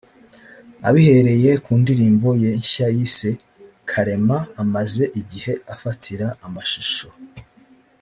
abihereye ku ndirimbo ye nshya yise “Kalema” amaze igihe afatira amashusho